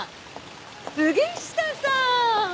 杉下さん！